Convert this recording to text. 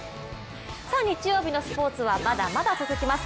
日曜日のスポーツはまだまだ続きます。